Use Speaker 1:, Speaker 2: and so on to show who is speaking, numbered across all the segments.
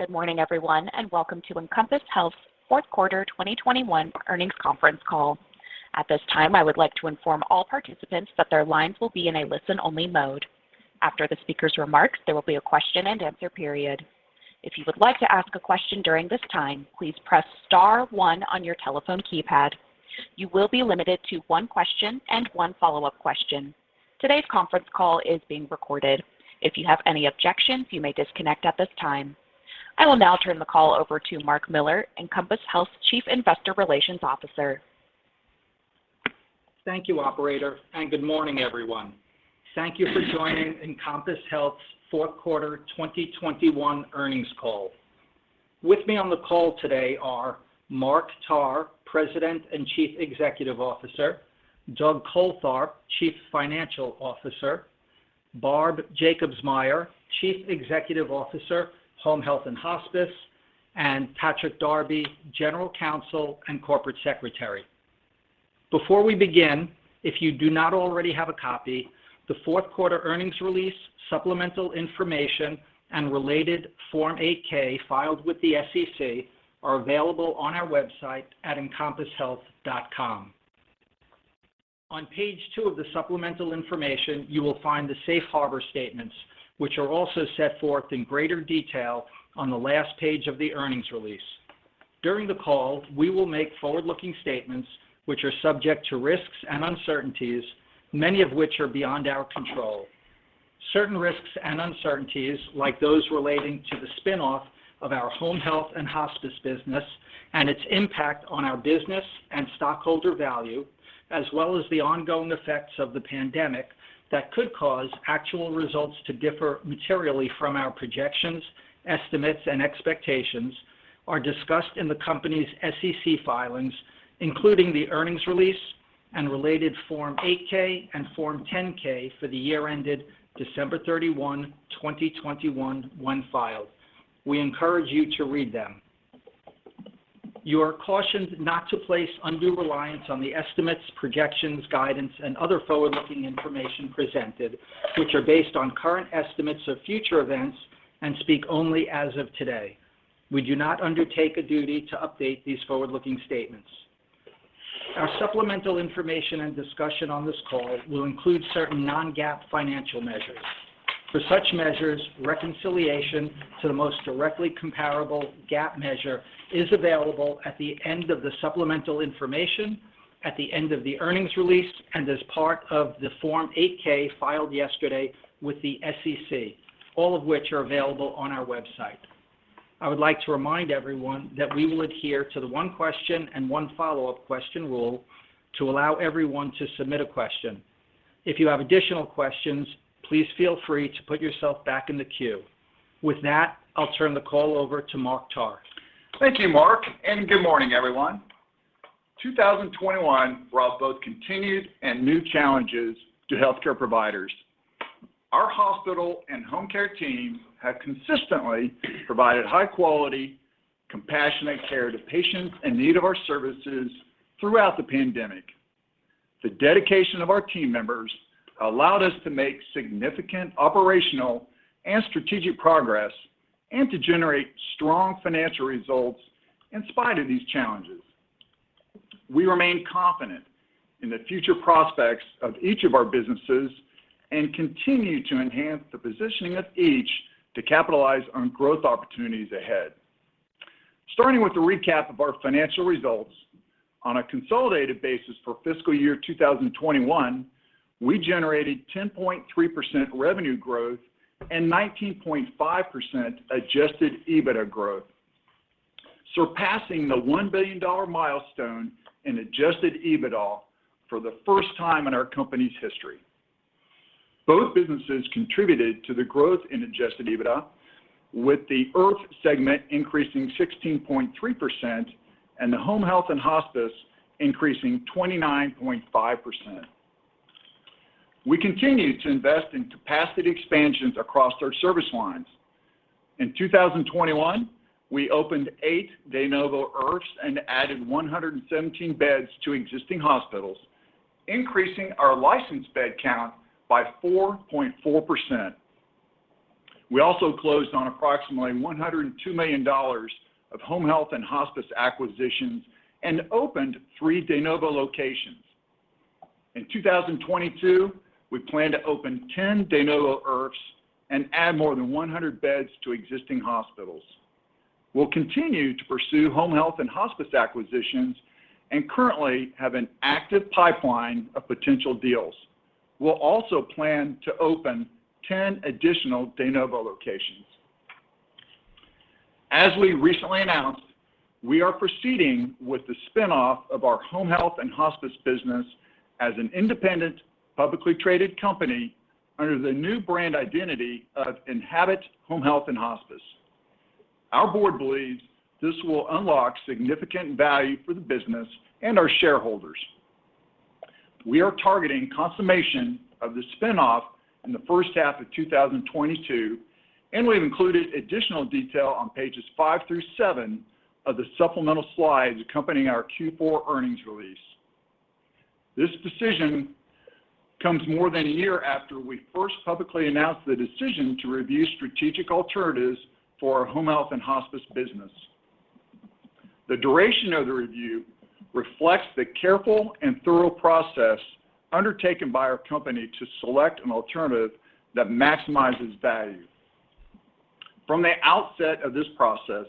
Speaker 1: Good morning everyone, and welcome to Encompass Health Q4 2021 Earnings Conference Call. At this time, I would like to inform all participants that their lines will be in a listen-only mode. After the speaker's remarks, there will be a question and answer period. If you would like to ask a question during this time, please press star one on your telephone keypad. You will be limited to one question and one follow-up question. Today's conference call is being recorded. If you have any objections, you may disconnect at this time. I will now turn the call over to Mark Miller, Encompass Health Chief Investor Relations Officer.
Speaker 2: Thank you, operator, and good morning everyone. Thank you for joining Encompass Health Q4 2021 earnings call. With me on the call today are Mark Tarr, President and Chief Executive Officer, Doug Coltharp, Chief Financial Officer, Barb Jacobsmeyer, Chief Executive Officer, Home Health and Hospice, and Patrick Darby, General Counsel and Corporate Secretary. Before we begin, if you do not already have a copy, the Q4 earnings release, supplemental information and related Form 8-K filed with the SEC are available on our website at encompasshealth.com. On page 2 of the supplemental information, you will find the safe harbor statements, which are also set forth in greater detail on the last page of the earnings release. During the call, we will make forward-looking statements which are subject to risks and uncertainties, many of which are beyond our control. Certain risks and uncertainties, like those relating to the spin-off of our home health and hospice business and its impact on our business and stockholder value, as well as the ongoing effects of the pandemic that could cause actual results to differ materially from our projections, estimates, and expectations are discussed in the company's SEC filings, including the earnings release and related Form 8-K and Form 10-K for the year ended December 31, 2021 when filed. We encourage you to read them. You are cautioned not to place undue reliance on the estimates, projections, guidance, and other forward-looking information presented, which are based on current estimates of future events and speak only as of today. We do not undertake a duty to update these forward-looking statements. Our supplemental information and discussion on this call will include certain non-GAAP financial measures. For such measures, reconciliation to the most directly comparable GAAP measure is available at the end of the supplemental information, at the end of the earnings release, and as part of the Form 8-K filed yesterday with the SEC, all of which are available on our website. I would like to remind everyone that we will adhere to the one question and one follow-up question rule to allow everyone to submit a question. If you have additional questions, please feel free to put yourself back in the queue. With that, I'll turn the call over to Mark Tarr.
Speaker 3: Thank you, Mark, and good morning everyone. 2021 brought both continued and new challenges to healthcare providers. Our hospital and home care teams have consistently provided high quality, compassionate care to patients in need of our services throughout the pandemic. The dedication of our team members allowed us to make significant operational and strategic progress and to generate strong financial results in spite of these challenges. We remain confident in the future prospects of each of our businesses and continue to enhance the positioning of each to capitalize on growth opportunities ahead. Starting with a recap of our financial results, on a consolidated basis for fiscal year 2021, we generated 10.3% revenue growth and 19.5% Adjusted EBITDA growth, surpassing the $1 billion milestone in Adjusted EBITDA for the first time in our company's history. Both businesses contributed to the growth in Adjusted EBITDA, with the IRF segment increasing 16.3% and the home health and hospice increasing 29.5%. We continue to invest in capacity expansions across our service lines. In 2021, we opened 8 de novo IRFs and added 117 beds to existing hospitals, increasing our licensed bed count by 4.4%. We also closed on approximately $102 million of home health and hospice acquisitions and opened 3 de novo locations. In 2022, we plan to open 10 de novo IRFs and add more than 100 beds to existing hospitals. We'll continue to pursue home health and hospice acquisitions and currently have an active pipeline of potential deals. We'll also plan to open 10 additional de novo locations. As we recently announced, we are proceeding with the spin-off of our home health and hospice business as an independent, publicly traded company under the new brand identity of Enhabit Home Health & Hospice. Our board believes this will unlock significant value for the business and our shareholders. We are targeting consummation of the spin-off in the first half of 2022, and we've included additional detail on pages five through seven of the supplemental slides accompanying our Q4 earnings release. This decision comes more than a year after we first publicly announced the decision to review strategic alternatives for our home health and hospice business. The duration of the review reflects the careful and thorough process undertaken by our company to select an alternative that maximizes value. From the outset of this process,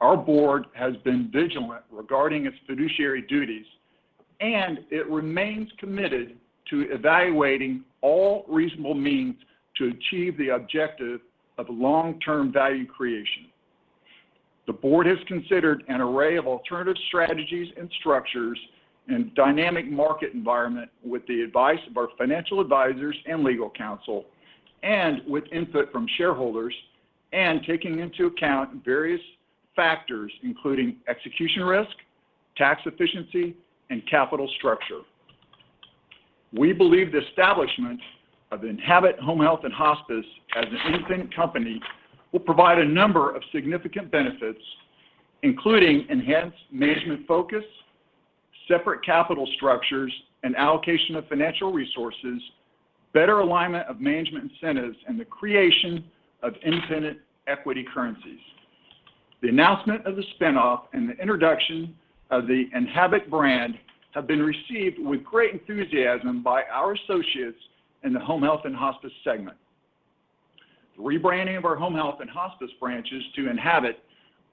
Speaker 3: our board has been vigilant regarding its fiduciary duties, and it remains committed to evaluating all reasonable means to achieve the objective of long-term value creation. The board has considered an array of alternative strategies and structures in a dynamic market environment with the advice of our financial advisors and legal counsel, and with input from shareholders, and taking into account various factors, including execution risk, tax efficiency, and capital structure. We believe the establishment of Enhabit Home Health & Hospice as an independent company will provide a number of significant benefits, including enhanced management focus, separate capital structures and allocation of financial resources, better alignment of management incentives, and the creation of independent equity currencies. The announcement of the spin-off and the introduction of the Enhabit brand have been received with great enthusiasm by our associates in the home health and hospice segment. The rebranding of our home health and hospice branches to Enhabit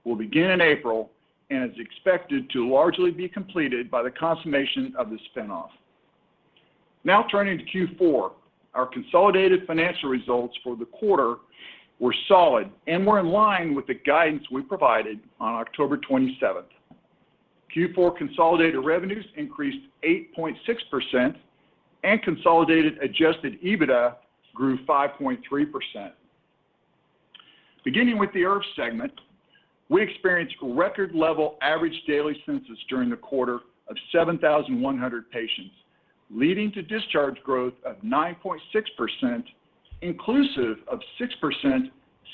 Speaker 3: will begin in April and is expected to largely be completed by the consummation of the spin-off. Now turning to Q4. Our consolidated financial results for the quarter were solid and were in line with the guidance we provided on October twenty-seventh. Q4 consolidated revenues increased 8.6%, and consolidated Adjusted EBITDA grew 5.3%. Beginning with the IRF segment, we experienced record level average daily census during the quarter of 7,100 patients, leading to discharge growth of 9.6%, inclusive of 6%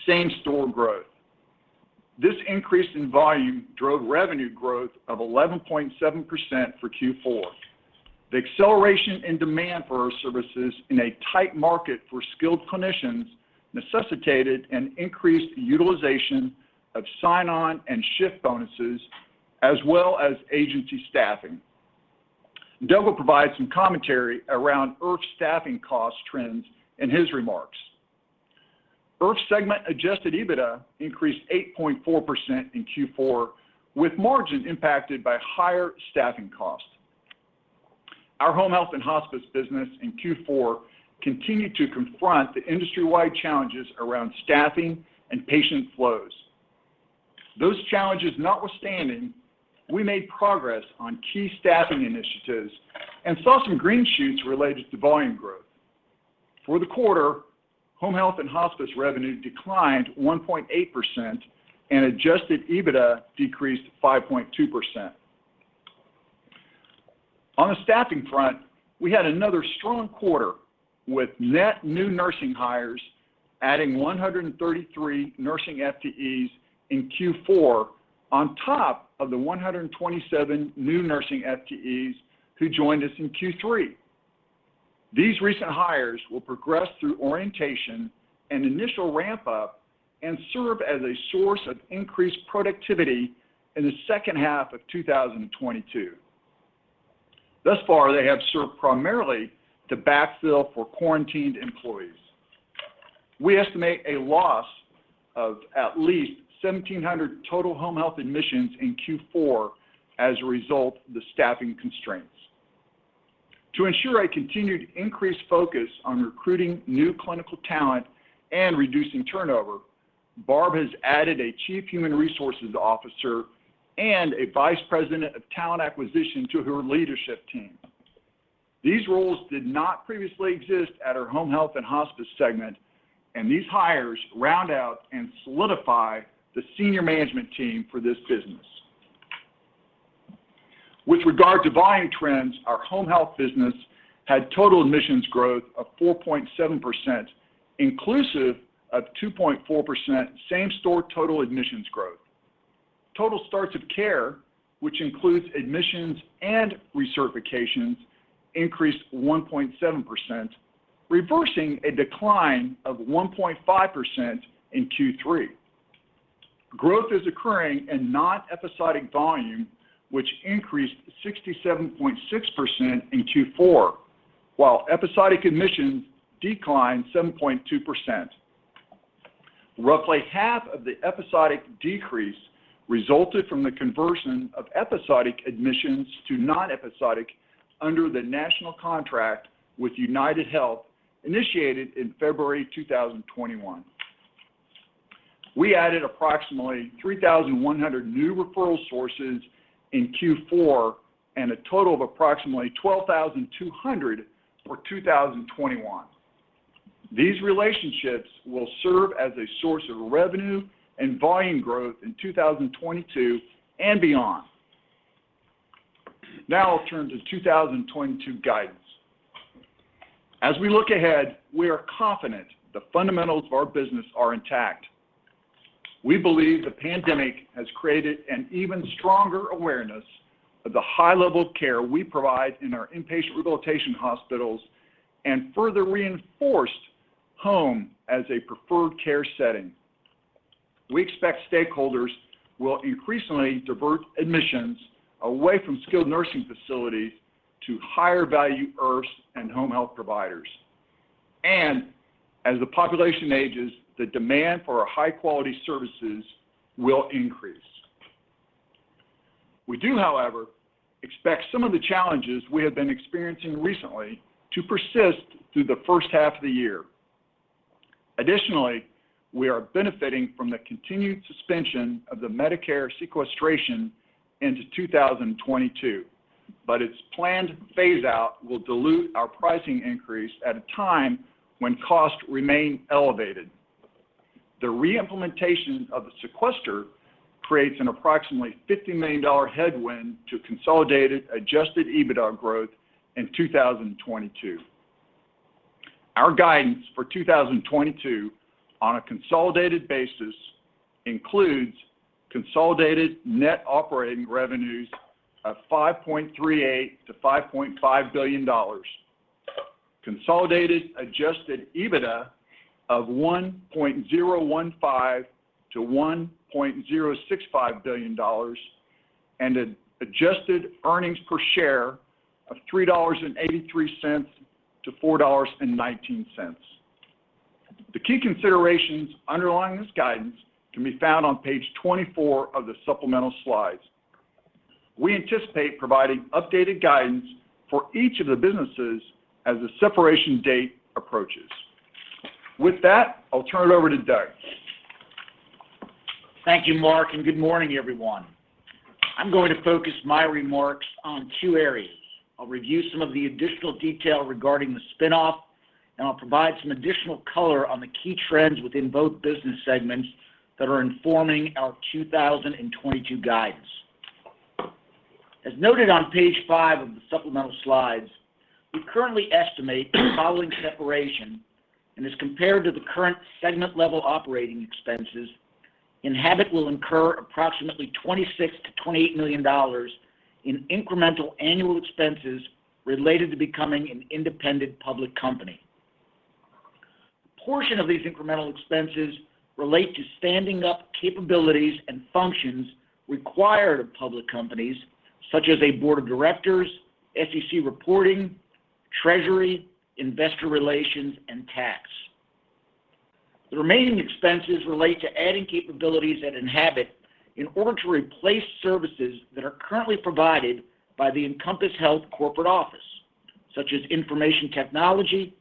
Speaker 3: same-store growth. This increase in volume drove revenue growth of 11.7% for Q4. The acceleration in demand for our services in a tight market for skilled clinicians necessitated an increased utilization of sign-on and shift bonuses, as well as agency staffing. Doug will provide some commentary around IRF staffing cost trends in his remarks. IRF segment Adjusted EBITDA increased 8.4% in Q4, with margin impacted by higher staffing costs. Our home health and hospice business in Q4 continued to confront the industry-wide challenges around staffing and patient flows. Those challenges notwithstanding, we made progress on key staffing initiatives and saw some green shoots related to volume growth. For the quarter, home health and hospice revenue declined 1.8%, and Adjusted EBITDA decreased 5.2%. On the staffing front, we had another strong quarter with net new nursing hires, adding 133 nursing FTEs in Q4 on top of the 127 new nursing FTEs who joined us in Q3. These recent hires will progress through orientation and initial ramp up and serve as a source of increased productivity in the second half of 2022. Thus far, they have served primarily to backfill for quarantined employees. We estimate a loss of at least 1,700 total home health admissions in Q4 as a result of the staffing constraints. To ensure a continued increased focus on recruiting new clinical talent and reducing turnover, Barb has added a Chief Human Resources Officer and a Vice President of Talent Acquisition to her leadership team. These roles did not previously exist at our Home Health and Hospice segment, and these hires round out and solidify the senior management team for this business. With regard to volume trends, our home health business had total admissions growth of 4.7%, inclusive of 2.4% same-store total admissions growth. Total starts of care, which includes admissions and recertifications, increased 1.7%, reversing a decline of 1.5% in Q3. Growth is occurring in non-episodic volume, which increased 67.6% in Q4, while episodic admissions declined 7.2%. Roughly half of the episodic decrease resulted from the conversion of episodic admissions to non-episodic under the national contract with UnitedHealth, initiated in February 2021. We added approximately 3,100 new referral sources in Q4, and a total of approximately 12,200 for 2021. These relationships will serve as a source of revenue and volume growth in 2022 and beyond. Now I'll turn to 2022 guidance. As we look ahead, we are confident the fundamentals of our business are intact. We believe the pandemic has created an even stronger awareness of the high level of care we provide in our inpatient rehabilitation hospitals and further reinforced home as a preferred care setting. We expect stakeholders will increasingly divert admissions away from skilled nursing facilities to higher-value IRFs and home health providers. As the population ages, the demand for our high-quality services will increase. We do, however, expect some of the challenges we have been experiencing recently to persist through the first half of the year. Additionally, we are benefiting from the continued suspension of the Medicare sequestration into 2022, but its planned phase-out will dilute our pricing increase at a time when costs remain elevated. The re-implementation of the sequester creates an approximately $50 million headwind to consolidated Adjusted EBITDA growth in 2022. Our guidance for 2022 on a consolidated basis includes consolidated net operating revenues of $5.38 billion-$5.5 billion, consolidated Adjusted EBITDA of $1.015 billion-$1.065 billion, and an adjusted earnings per share of $3.83-$4.19. The key considerations underlying this guidance can be found on page 24 of the supplemental slides. We anticipate providing updated guidance for each of the businesses as the separation date approaches. With that, I'll turn it over to Doug.
Speaker 4: Thank you, Mark, and good morning, everyone. I'm going to focus my remarks on two areas. I'll review some of the additional detail regarding the spin-off, and I'll provide some additional color on the key trends within both business segments that are informing our 2022 guidance. As noted on page 5 of the supplemental slides, we currently estimate following separation, and as compared to the current segment-level operating expenses, Enhabit will incur approximately $26 million-$28 million in incremental annual expenses related to becoming an independent public company. A portion of these incremental expenses relate to standing up capabilities and functions required of public companies, such as a board of directors, SEC reporting, treasury, investor relations, and tax. The remaining expenses relate to adding capabilities at Enhabit in order to replace services that are currently provided by the Encompass Health corporate office, such as information technology,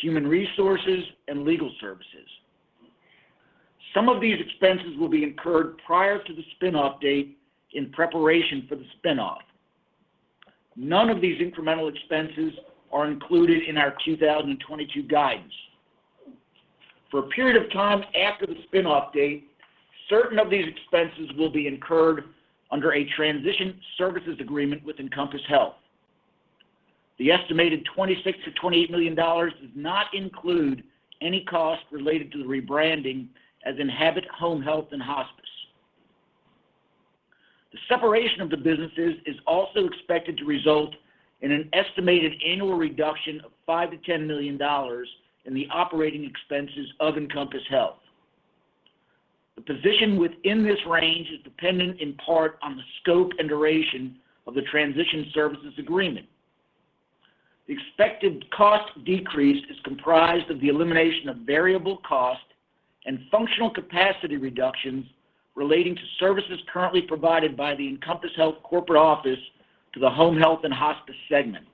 Speaker 4: human resources, and legal services. Some of these expenses will be incurred prior to the spin-off date in preparation for the spin-off. None of these incremental expenses are included in our 2022 guidance. For a period of time after the spin-off date, certain of these expenses will be incurred under a transition services agreement with Encompass Health. The estimated $26 million-$28 million does not include any cost related to the rebranding as Enhabit Home Health & Hospice. The separation of the businesses is also expected to result in an estimated annual reduction of $5 million-$10 million in the operating expenses of Encompass Health. The position within this range is dependent in part on the scope and duration of the transition services agreement. The expected cost decrease is comprised of the elimination of variable cost and functional capacity reductions relating to services currently provided by the Encompass Health corporate office to the Home Health and Hospice segment.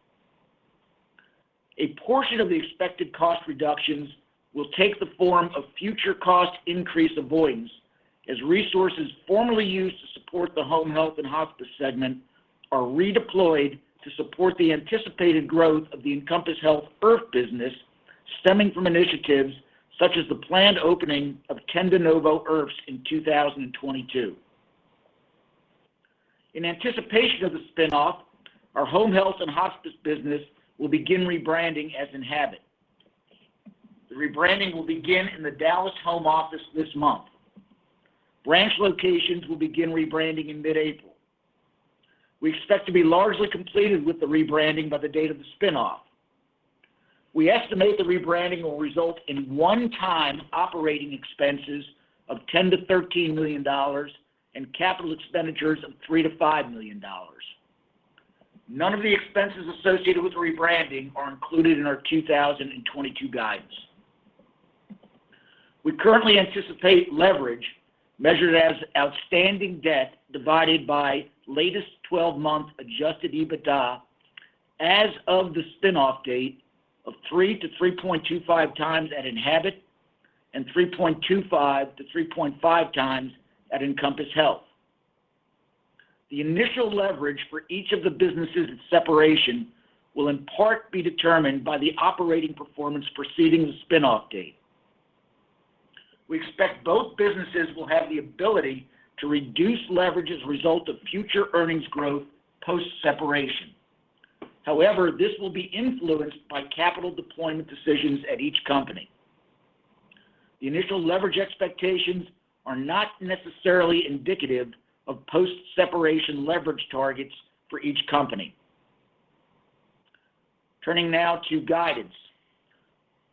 Speaker 4: A portion of the expected cost reductions will take the form of future cost increase avoidance as resources formerly used to support the Home Health and Hospice segment are redeployed to support the anticipated growth of the Encompass Health IRF business stemming from initiatives such as the planned opening of ten de novo IRFs in 2022. In anticipation of the spin-off, our Home Health and Hospice business will begin rebranding as Enhabit. The rebranding will begin in the Dallas home office this month. Branch locations will begin rebranding in mid-April. We expect to be largely completed with the rebranding by the date of the spin-off. We estimate the rebranding will result in one-time operating expenses of $10 million-$13 million and capital expenditures of $3 million-$5 million. None of the expenses associated with rebranding are included in our 2022 guidance. We currently anticipate leverage measured as outstanding debt divided by latest 12-month Adjusted EBITDA as of the spin-off date of 3-3.25 times at Enhabit and 3.25-3.5 times at Encompass Health. The initial leverage for each of the businesses at separation will in part be determined by the operating performance preceding the spin-off date. We expect both businesses will have the ability to reduce leverage as a result of future earnings growth post-separation. However, this will be influenced by capital deployment decisions at each company. The initial leverage expectations are not necessarily indicative of post-separation leverage targets for each company. Turning now to guidance.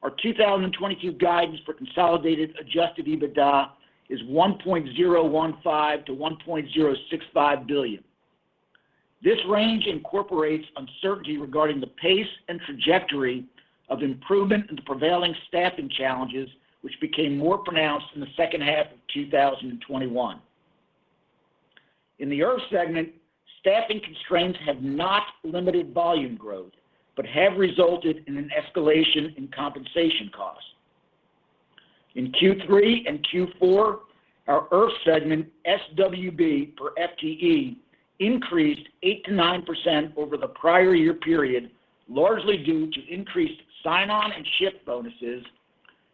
Speaker 4: Our 2022 guidance for consolidated Adjusted EBITDA is $1.015 billion-$1.065 billion. This range incorporates uncertainty regarding the pace and trajectory of improvement in the prevailing staffing challenges, which became more pronounced in the second half of 2021. In the IRF segment, staffing constraints have not limited volume growth, but have resulted in an escalation in compensation costs. In Q3 and Q4, our IRF segment SWB per FTE increased 8%-9% over the prior year period, largely due to increased sign-on and shift bonuses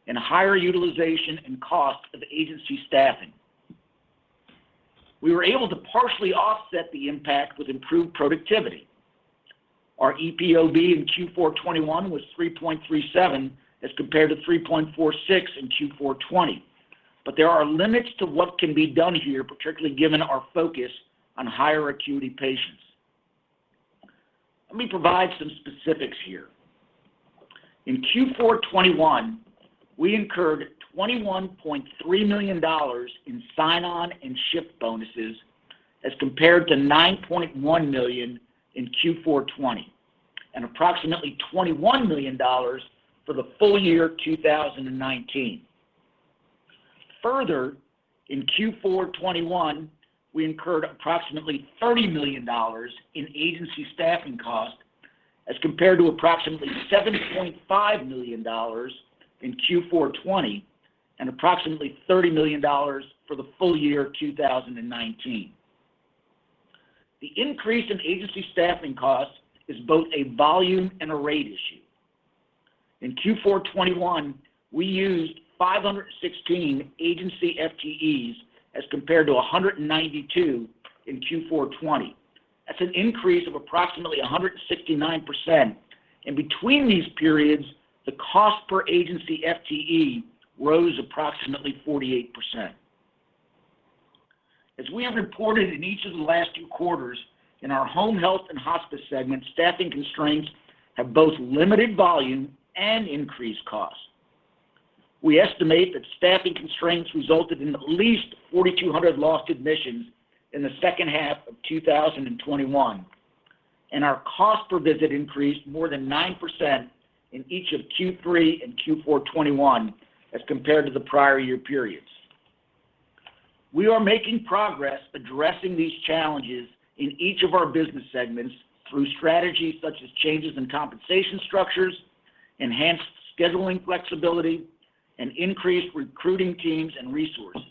Speaker 4: and higher utilization and cost of agency staffing. We were able to partially offset the impact with improved productivity. Our EPOB in Q4 2021 was 3.37 as compared to 3.46 in Q4 2020. There are limits to what can be done here, particularly given our focus on higher acuity patients. Let me provide some specifics here. In Q4 2021, we incurred $21.3 million in sign-on and shift bonuses as compared to $9.1 million in Q4 2020, and approximately $21 million for the full year 2019. Further, in Q4 2021, we incurred approximately $30 million in agency staffing costs as compared to approximately $7.5 million in Q4 2020 and approximately $30 million for the full year 2019. The increase in agency staffing costs is both a volume and a rate issue. In Q4 2021, we used 516 agency FTEs as compared to 192 in Q4 2020. That's an increase of approximately 169%. Between these periods, the cost per agency FTE rose approximately 48%. As we have reported in each of the last two quarters, in our home health and hospice segment, staffing constraints have both limited volume and increased costs. We estimate that staffing constraints resulted in at least 4,200 lost admissions in the second half of 2021, and our cost per visit increased more than 9% in each of Q3 and Q4 2021 as compared to the prior year periods. We are making progress addressing these challenges in each of our business segments through strategies such as changes in compensation structures, enhanced scheduling flexibility, and increased recruiting teams and resources.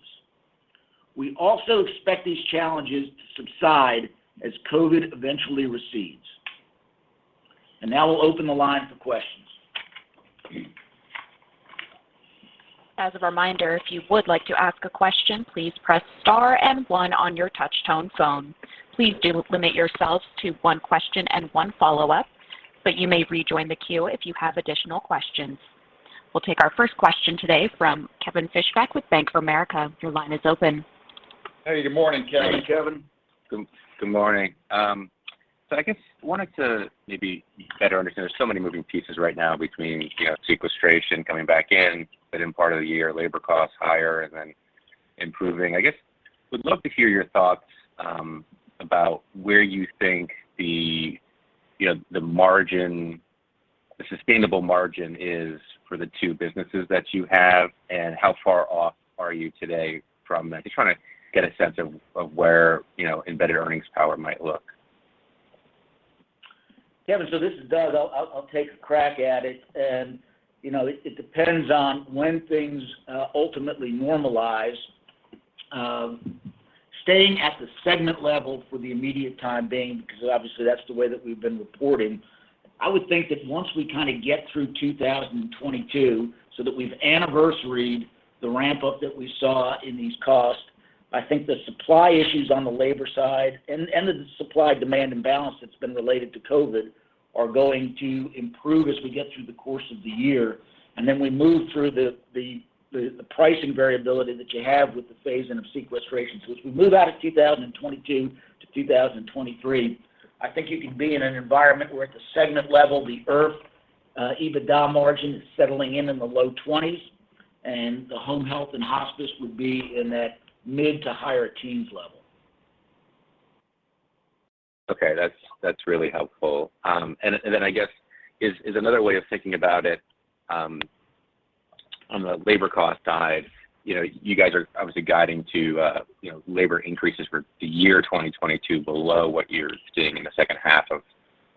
Speaker 4: We also expect these challenges to subside as COVID eventually recedes. Now we'll open the line for questions.
Speaker 1: As a reminder, if you would like to ask a question, please press star and one on your touch tone phone. Please do limit yourselves to one question and one follow-up, but you may rejoin the queue if you have additional questions. We'll take our first question today from Kevin Fischbeck with Bank of America. Your line is open.
Speaker 4: Hey, good morning, Kevin.
Speaker 5: Good morning. I guess I wanted to maybe better understand. There's so many moving pieces right now between, you know, sequestration coming back in, but in part of the year, labor costs higher and then improving. I guess I would love to hear your thoughts about where you think the, you know, the margin, the sustainable margin is for the two businesses that you have and how far off are you today from that? Just trying to get a sense of where, you know, embedded earnings power might look.
Speaker 4: Kevin, so this is Doug. I'll take a crack at it. You know, it depends on when things ultimately normalize. Staying at the segment level for the time being, because obviously that's the way that we've been reporting, I would think that once we kind of get through 2022, so that we've anniversaried the ramp-up that we saw in these costs, I think the supply issues on the labor side and the supply-demand imbalance that's been related to COVID are going to improve as we get through the course of the year. Then we move through the pricing variability that you have with the phasing of sequestrations. As we move out of 2022 to 2023, I think you could be in an environment where at the segment level, the IRF EBITDA margin is settling in the low 20s%, and the home health and hospice would be in that mid- to high teens% level.
Speaker 5: Okay. That's really helpful. Then I guess is another way of thinking about it, on the labor cost side, you know, you guys are obviously guiding to, you know, labor increases for the year 2022 below what you're seeing in the second half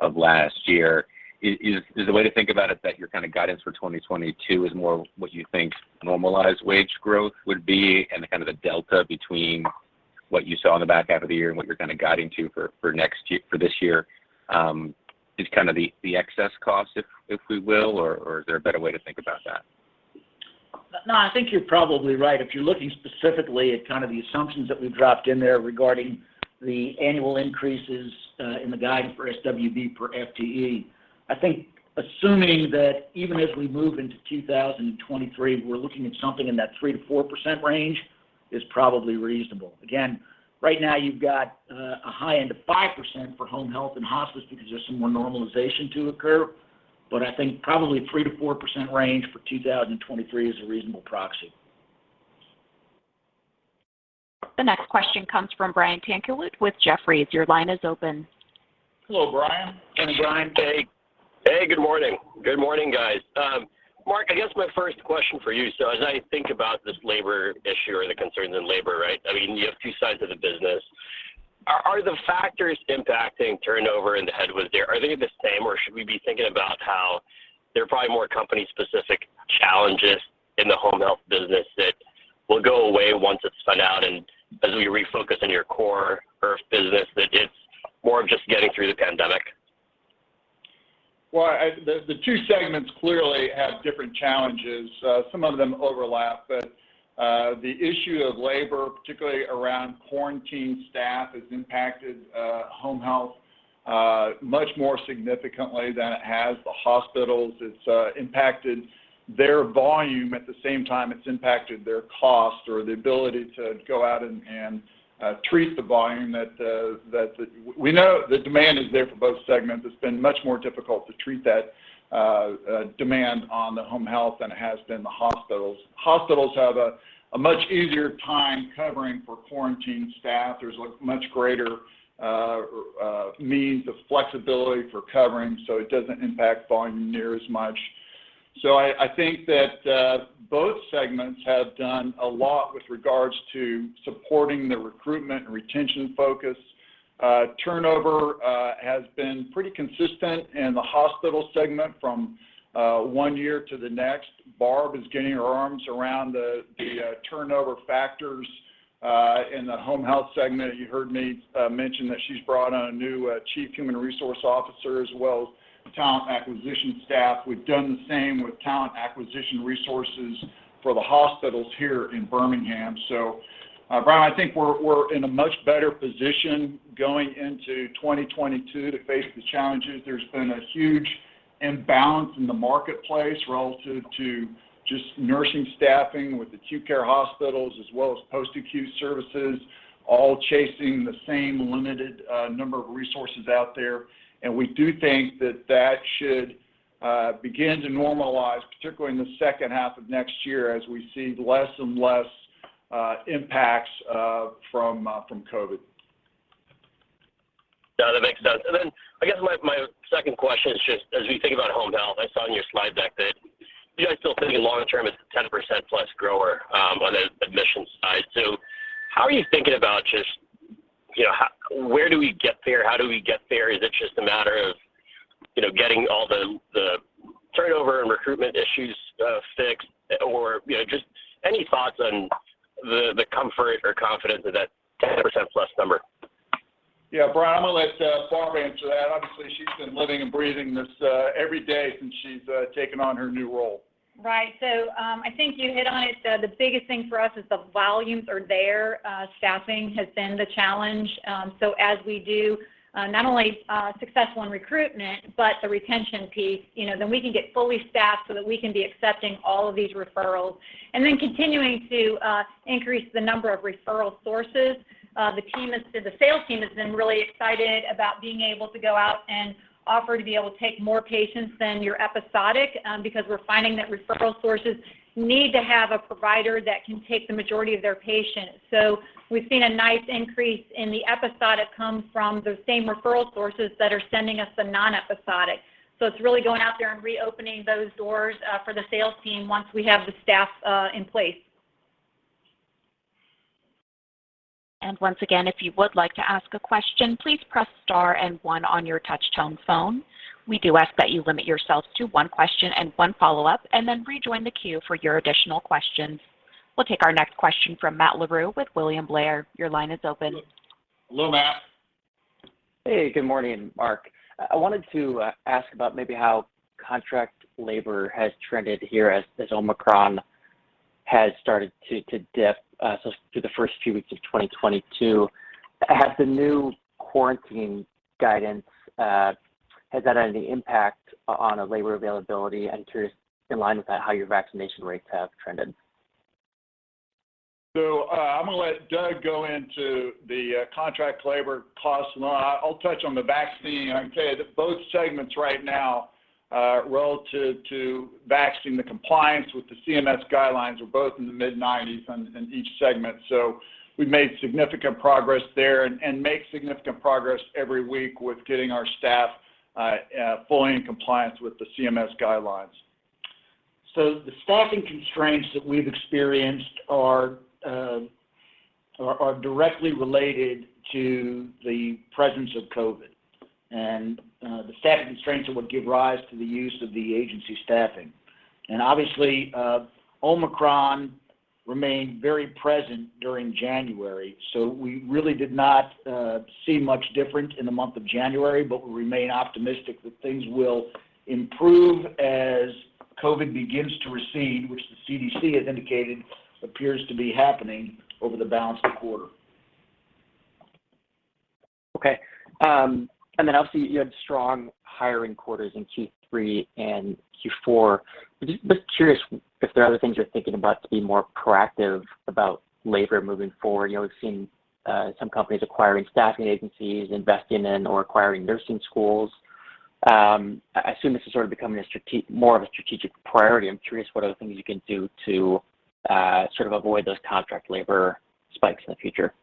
Speaker 5: of last year. Is the way to think about it that your kind of guidance for 2022 is more what you think normalized wage growth would be and kind of the delta between what you saw on the back half of the year and what you're kind of guiding to for next year for this year, is kind of the excess cost, if we will, or is there a better way to think about that?
Speaker 3: No, I think you're probably right. If you're looking specifically at kind of the assumptions that we've dropped in there regarding the annual increases, in the guide for SWB per FTE, I think assuming that even as we move into 2023, we're looking at something in that 3%-4% range is probably reasonable. Again, right now you've got a high end of 5% for home health and hospice because there's some more normalization to occur, but I think probably 3%-4% range for 2023 is a reasonable proxy.
Speaker 1: The next question comes from Brian Tanquilut with Jefferies. Your line is open.
Speaker 3: Hello, Brian.
Speaker 4: Hey, Brian. Hey.
Speaker 6: Hey, good morning. Good morning, guys. Mark, I guess my first question for you, so as I think about this labor issue or the concerns in labor, right, I mean, you have two sides of the business. Are the factors impacting turnover in the home health there the same or should we be thinking about how they're probably more company specific challenges in the home health business that will go away once it's spun out and as we refocus on your core IRF business, that it's more of just getting through the pandemic?
Speaker 3: Well, the two segments clearly have different challenges, some of them overlap. The issue of labor, particularly around quarantine staff, has impacted home health much more significantly than it has the hospitals. It's impacted their volume. At the same time, it's impacted their cost or the ability to go out and treat the volume that we know the demand is there for both segments. It's been much more difficult to treat that demand on the home health than it has been the hospitals. Hospitals have a much easier time covering for quarantined staff. There's a much greater means of flexibility for covering, so it doesn't impact volume near as much. I think that both segments have done a lot with regards to supporting the recruitment and retention focus. Turnover has been pretty consistent in the hospital segment from one year to the next. Barb is getting her arms around the turnover factors in the home health segment. You heard me mention that she's brought on a new chief human resource officer as well as talent acquisition staff. We've done the same with talent acquisition resources for the hospitals here in Birmingham. Brian, I think we're in a much better position going into 2022 to face the challenges. There's been a huge imbalance in the marketplace relative to just nursing staffing with acute care hospitals as well as post-acute services all chasing the same limited number of resources out there. We do think that should begin to normalize, particularly in the second half of next year as we see less and less impacts from COVID.
Speaker 6: No, that makes sense. I guess my second question is just as we think about home health, I saw on your slide deck that you guys still think long term is 10%+ grower on the admissions side. How are you thinking about just, you know, where do we get there? How do we get there? Is it just a matter of, you know, getting all the turnover and recruitment issues fixed or, you know, just any thoughts on the comfort or confidence of that 10%+ number?
Speaker 3: Yeah, Brian, I'm gonna let Barb answer that. Obviously, she's been living and breathing this every day since she's taken on her new role.
Speaker 7: Right. I think you hit on it. The biggest thing for us is the volumes are there. Staffing has been the challenge. As we are successful in recruitment, but the retention piece, you know, then we can get fully staffed so that we can be accepting all of these referrals. Continuing to increase the number of referral sources. The sales team has been really excited about being able to go out and offer to be able to take more patients than your episodic, because we're finding that referral sources need to have a provider that can take the majority of their patients. We've seen a nice increase in the episodic come from those same referral sources that are sending us the non-episodic. It's really going out there and reopening those doors for the sales team once we have the staff in place.
Speaker 1: Once again, if you would like to ask a question, please press star and one on your touch tone phone. We do ask that you limit yourself to one question and one follow-up, and then rejoin the queue for your additional questions. We'll take our next question from Matt Larew with William Blair. Your line is open.
Speaker 3: Hello, Matt.
Speaker 8: Hey, good morning, Mark. I wanted to ask about maybe how contract labor has trended here as Omicron has started to dip, so through the first few weeks of 2022. Has the new quarantine guidance had any impact on labor availability? two, in line with that, how your vaccination rates have trended?
Speaker 3: I'm gonna let Doug go into the contract labor costs. I'll touch on the vaccine. I can tell you that both segments right now relative to vaccination compliance with the CMS guidelines are both in the mid-90s in each segment. We've made significant progress there and make significant progress every week with getting our staff fully in compliance with the CMS guidelines. The staffing constraints that we've experienced are directly related to the presence of COVID.
Speaker 4: The staffing constraints that would give rise to the use of the agency staffing. Obviously, Omicron remained very present during January, so we really did not see much different in the month of January. We remain optimistic that things will improve as COVID begins to recede, which the CDC has indicated appears to be happening over the balance of the quarter.
Speaker 8: Okay. Obviously you had strong hiring quarters in Q3 and Q4. Just curious if there are other things you're thinking about to be more proactive about labor moving forward. You know, we've seen some companies acquiring staffing agencies, investing in or acquiring nursing schools. I assume this is sort of becoming more of a strategic priority. I'm curious what other things you can do to sort of avoid those contract labor spikes in the future.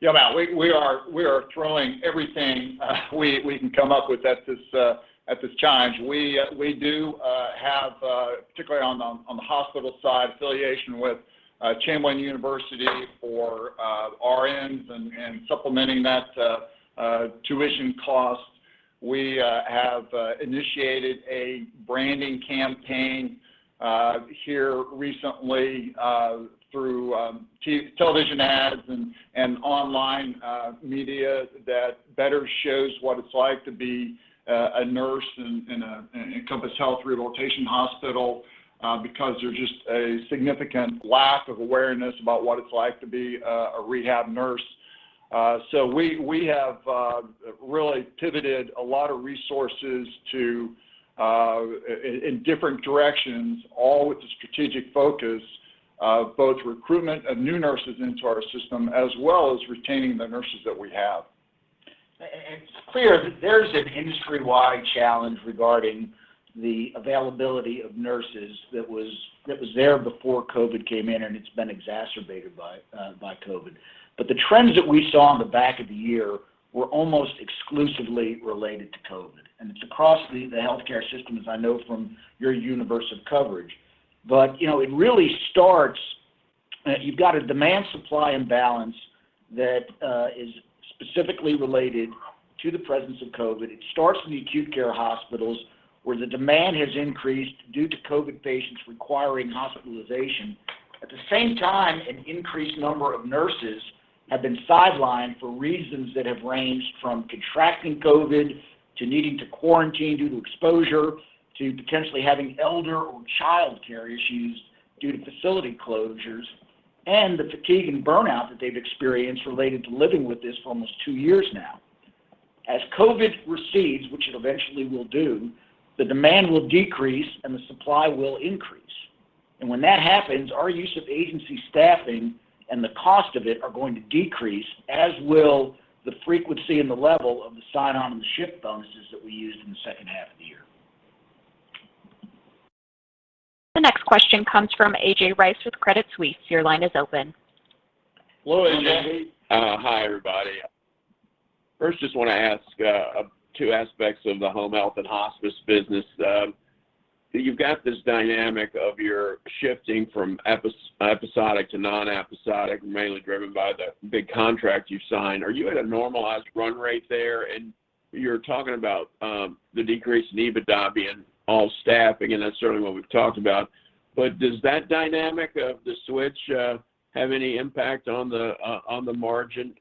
Speaker 3: Yeah, Matt, we are throwing everything we can come up with at this challenge. We do have, particularly on the hospital side, affiliation with Chamberlain University for RNs and supplementing that tuition cost. We have initiated a branding campaign here recently through television ads and online media that better shows what it's like to be a nurse in an Encompass Health Rehabilitation hospital because there's just a significant lack of awareness about what it's like to be a rehab nurse. We have really pivoted a lot of resources to in different directions, all with the strategic focus of both recruitment of new nurses into our system as well as retaining the nurses that we have.
Speaker 4: It's clear that there's an industry-wide challenge regarding the availability of nurses that was there before COVID came in, and it's been exacerbated by COVID. The trends that we saw on the back half of the year were almost exclusively related to COVID. It's across the healthcare system, as I know from your universe of coverage. You know, it really starts, you've got a demand-supply imbalance that is specifically related to the presence of COVID. It starts in the acute care hospitals where the demand has increased due to COVID patients requiring hospitalization. At the same time, an increased number of nurses have been sidelined for reasons that have ranged from contracting COVID to needing to quarantine due to exposure to potentially having elder or childcare issues due to facility closures and the fatigue and burnout that they've experienced related to living with this for almost two years now. As COVID recedes, which it eventually will do, the demand will decrease and the supply will increase. When that happens, our use of agency staffing and the cost of it are going to decrease, as will the frequency and the level of the sign-on and the shift bonuses that we used in the second half of the year.
Speaker 1: The next question comes from A.J. Rice with Credit Suisse. Your line is open.
Speaker 3: Hello, A.J.
Speaker 9: Hi, everybody. First, just wanna ask two aspects of the home health and hospice business. You've got this dynamic of your shifting from episodic to non-episodic, mainly driven by the big contract you've signed. Are you at a normalized run rate there? You're talking about the decrease in EBITDA being all staffing, and that's certainly what we've talked about. Does that dynamic of the switch have any impact on the margin?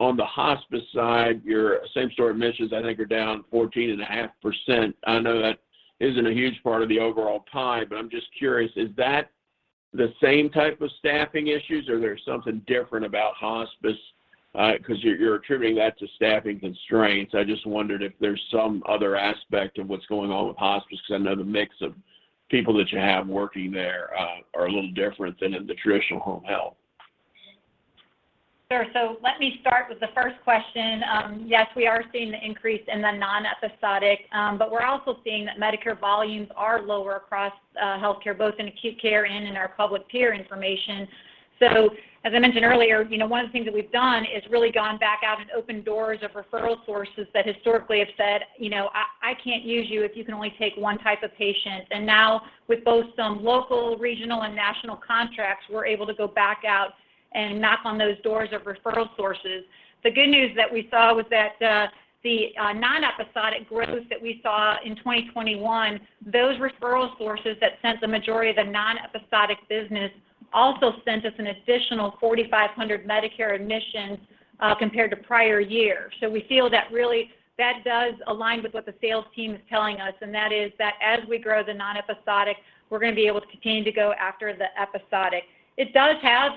Speaker 9: On the hospice side, your same-store admissions, I think, are down 14.5%. I know that isn't a huge part of the overall pie, but I'm just curious, is that the same type of staffing issues, or there's something different about hospice, 'cause you're attributing that to staffing constraints. I just wondered if there's some other aspect of what's going on with hospice, because I know the mix of people that you have working there, are a little different than in the traditional home health.
Speaker 7: Sure. Let me start with the first question. Yes, we are seeing the increase in the non-episodic. But we're also seeing that Medicare volumes are lower across healthcare, both in acute care and in our public peer information. As I mentioned earlier, you know, one of the things that we've done is really gone back out and opened doors of referral sources that historically have said, "You know, I can't use you if you can only take one type of patient." And now with both some local, regional, and national contracts, we're able to go back out and knock on those doors of referral sources. The good news that we saw was that the non-episodic growth that we saw in 2021, those referral sources that sent the majority of the non-episodic business also sent us an additional 4,500 Medicare admissions compared to prior years. We feel that really that does align with what the sales team is telling us, and that is that as we grow the non-episodic, we're gonna be able to continue to go after the episodic. It does have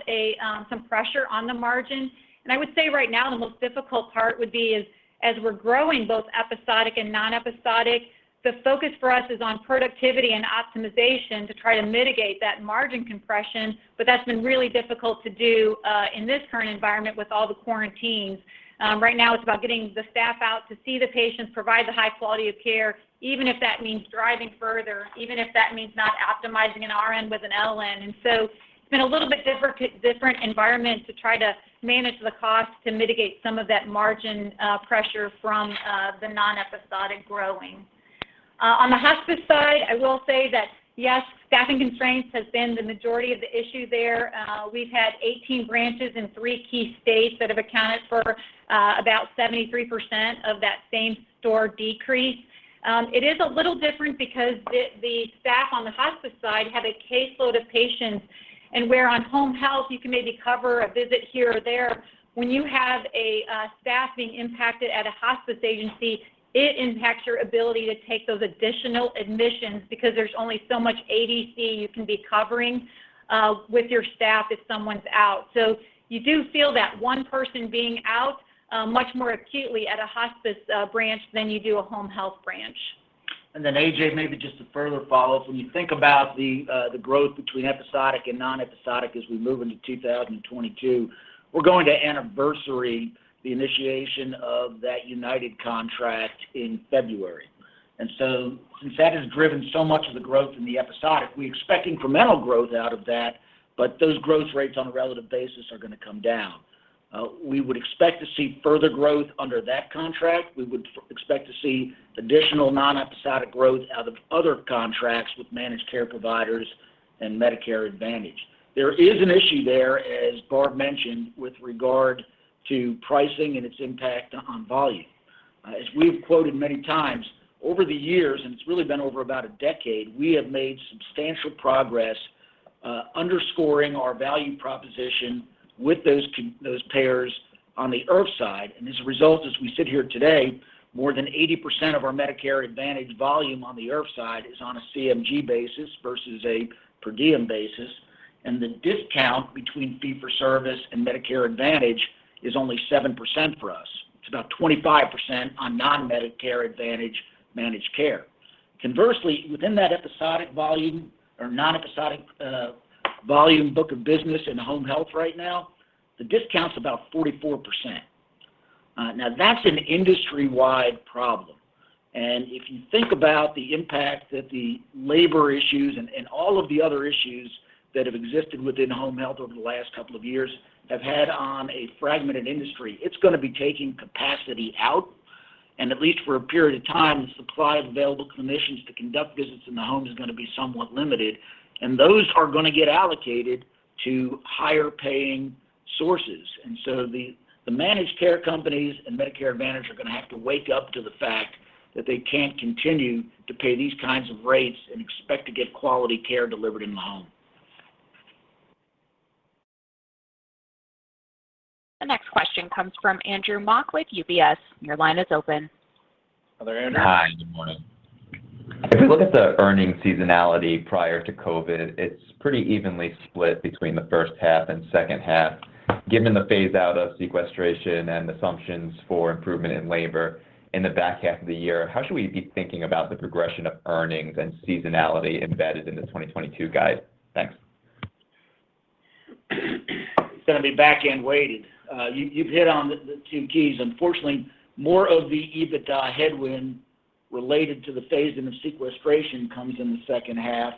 Speaker 7: some pressure on the margin. I would say right now the most difficult part would be as we're growing both episodic and non-episodic, the focus for us is on productivity and optimization to try to mitigate that margin compression. That's been really difficult to do in this current environment with all the quarantines. Right now it's about getting the staff out to see the patients, provide the high quality of care, even if that means driving further, even if that means not optimizing an RN with an LPN. It's been a little bit different environment to try to manage the cost to mitigate some of that margin pressure from the non-episodic growing. On the hospice side, I will say that yes, staffing constraints has been the majority of the issue there. We've had 18 branches in three key states that have accounted for about 73% of that same store decrease. It is a little different because the staff on the hospice side have a caseload of patients, and where on home health you can maybe cover a visit here or there, when you have staff being impacted at a hospice agency, it impacts your ability to take those additional admissions because there's only so much ADC you can be covering with your staff if someone's out. You do feel that one person being out much more acutely at a hospice branch than you do a home health branch.
Speaker 4: Then A.J., maybe just to further follow up. When you think about the growth between episodic and non-episodic as we move into 2022, we're going to anniversary the initiation of that United contract in February. Since that has driven so much of the growth in the episodic, we expect incremental growth out of that, but those growth rates on a relative basis are gonna come down. We would expect to see further growth under that contract. We would expect to see additional non-episodic growth out of other contracts with managed care providers and Medicare Advantage. There is an issue there, as Barb mentioned, with regard to pricing and its impact on volume. As we have quoted many times, over the years, and it's really been over about a decade, we have made substantial progress, underscoring our value proposition with those payers on the IRF side. As a result, as we sit here today, more than 80% of our Medicare Advantage volume on the IRF side is on a CMG basis versus a per diem basis. The discount between fee for service and Medicare Advantage is only 7% for us. It's about 25% on non-Medicare Advantage managed care. Conversely, within that episodic volume or non-episodic volume book of business in home health right now, the discount's about 44%. Now that's an industry-wide problem. If you think about the impact that the labor issues and all of the other issues that have existed within home health over the last couple of years have had on a fragmented industry, it's gonna be taking capacity out, and at least for a period of time, the supply of available clinicians to conduct visits in the home is gonna be somewhat limited. Those are gonna get allocated to higher paying sources. The managed care companies and Medicare Advantage are gonna have to wake up to the fact that they can't continue to pay these kinds of rates and expect to get quality care delivered in the home.
Speaker 1: The next question comes from Andrew Mok with UBS. Your line is open.
Speaker 4: Hello, Andrew.
Speaker 10: Hi, good morning. If we look at the earnings seasonality prior to COVID, it's pretty evenly split between the first half and second half. Given the phase out of sequestration and assumptions for improvement in labor in the back half of the year, how should we be thinking about the progression of earnings and seasonality embedded in the 2022 guide? Thanks.
Speaker 4: It's gonna be back end weighted. You've hit on the two keys. Unfortunately, more of the EBITDA headwind related to the phasing of sequestration comes in the second half.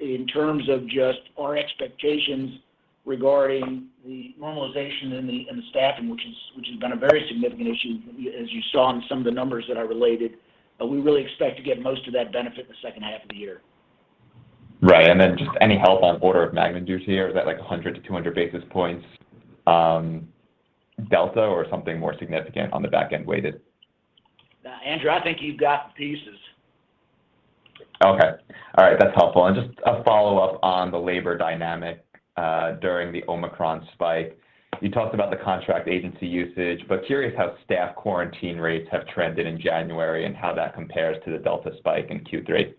Speaker 4: In terms of just our expectations regarding the normalization in the staffing, which has been a very significant issue as you saw in some of the numbers that I related, we really expect to get most of that benefit in the second half of the year.
Speaker 10: Right. Just any help on order of magnitudes here? Is that like 100-200 basis points delta or something more significant on the back end weighted?
Speaker 4: Andrew, I think you've got the pieces.
Speaker 10: Okay. All right. That's helpful. Just a follow-up on the labor dynamic during the Omicron spike. You talked about the contract agency usage, but curious how staff quarantine rates have trended in January and how that compares to the Delta spike in Q3.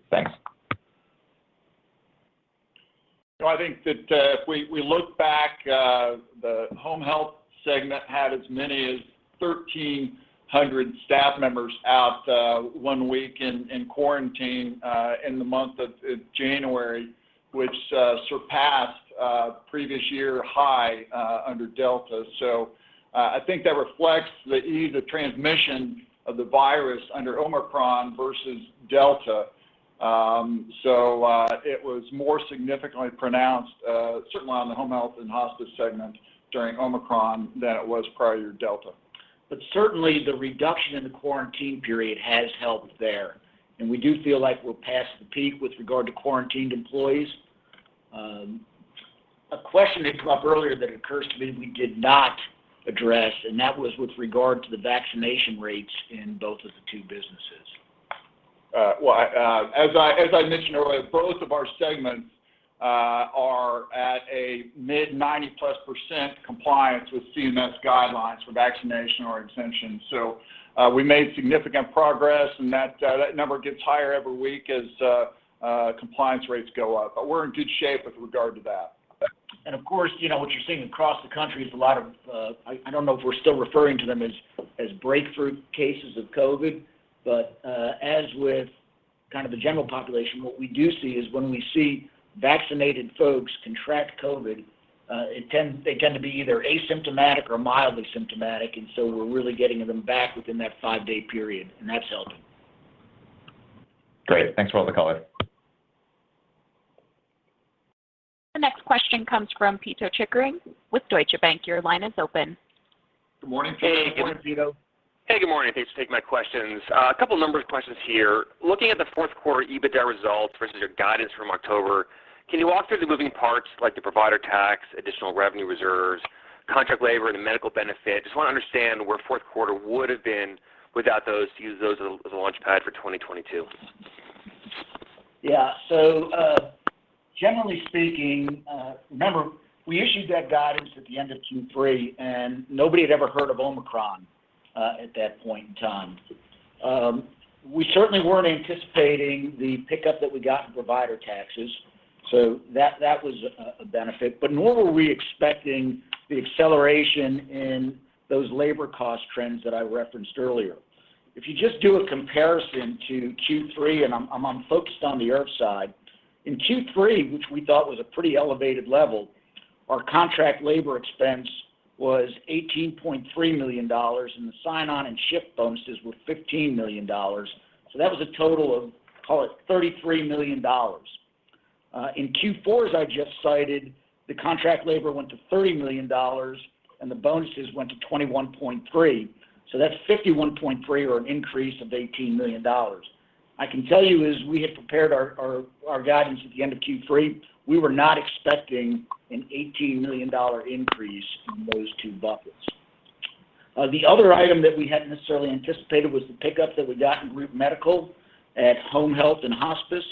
Speaker 10: Thanks.
Speaker 3: I think that if we look back, the home health segment had as many as 1,300 staff members out one week in quarantine in the month of January, which surpassed a previous year high under Delta. I think that reflects the ease of transmission of the virus under Omicron versus Delta. It was more significantly pronounced certainly on the home health and hospice segment during Omicron than it was prior to Delta.
Speaker 4: Certainly the reduction in the quarantine period has helped there, and we do feel like we're past the peak with regard to quarantined employees. A question that came up earlier that occurs to me that we did not address, and that was with regard to the vaccination rates in both of the two businesses.
Speaker 3: Well, as I mentioned earlier, both of our segments are at a mid-90%+ compliance with CMS guidelines for vaccination or exemption. We made significant progress, and that number gets higher every week as compliance rates go up. We're in good shape with regard to that.
Speaker 4: Of course, you know, what you're seeing across the country is a lot of, I don't know if we're still referring to them as breakthrough cases of COVID, but as with kind of the general population, what we do see is when we see vaccinated folks contract COVID, they tend to be either asymptomatic or mildly symptomatic, and so we're really getting them back within that five-day period, and that's helping.
Speaker 10: Great. Thanks for all the color.
Speaker 1: This question comes from Pito Chickering with Deutsche Bank. Your line is open.
Speaker 11: Good morning.
Speaker 4: Hey, good morning, Peter.
Speaker 11: Hey, good morning. Thanks for taking my questions. A couple numbers questions here. Looking at the Q4 EBITDA results versus your guidance from October, can you walk through the moving parts like the provider tax, additional revenue reserves, contract labor, and the medical benefit? Just wanna understand where Q4 would have been without those to use those as a launch pad for 2022.
Speaker 4: Yeah. Generally speaking, remember, we issued that guidance at the end of Q3, and nobody had ever heard of Omicron at that point in time. We certainly weren't anticipating the pickup that we got in provider taxes, so that was a benefit. Nor were we expecting the acceleration in those labor cost trends that I referenced earlier. If you just do a comparison to Q3, and I'm focused on the IRF side. In Q3, which we thought was a pretty elevated level, our contract labor expense was $18.3 million, and the sign-on and shift bonuses were $15 million. That was a total of, call it $33 million. In Q4, as I just cited, the contract labor went to $30 million, and the bonuses went to $21.3 million. That's 51.3 or an increase of $18 million. I can tell you as we had prepared our guidance at the end of Q3, we were not expecting an $18 million increase in those two buckets. The other item that we hadn't necessarily anticipated was the pickup that we got in group medical at home health and hospice.